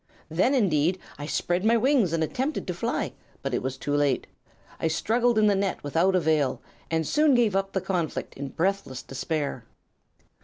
Then, indeed, I spread my wings and attempted to fly; but it was too late. I struggled in the net without avail, and soon gave up the conflict in breathless despair.